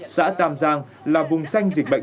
xã tam giang là vùng xanh dịch bệnh